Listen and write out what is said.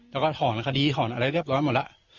แล้วก็ถอนคดีถอนอะไรเรียบร้อยหมดแล้ว